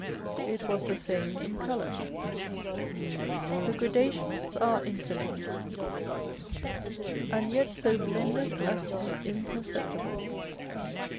It was the same in colour. The gradations are infinite, and yet so blended as to be imperceptible.